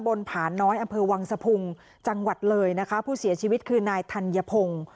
ผาน้อยอำเภอวังสะพุงจังหวัดเลยนะคะผู้เสียชีวิตคือนายธัญพงศ์